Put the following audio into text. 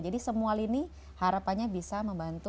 jadi semua ini harapannya bisa membantu